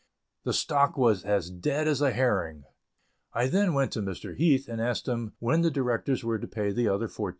The stock was as "dead as a herring!" I then went to Mr. Heath and asked him when the directors were to pay the other $14,000.